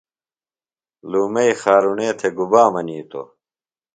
لومئی خارُݨے تھےۡ گُبا منِیتوۡ؟